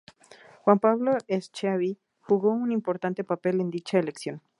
Juan Pablo Schiavi, jugó un importante papel en dicha elección.